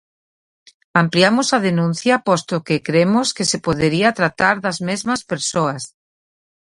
Ampliamos a denuncia posto que cremos que se podería tratar das mesmas persoas.